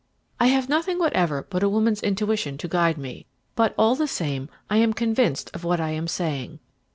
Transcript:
"I have nothing whatever but a woman's intuition to guide me, but, all the same, I am convinced of what I am saying.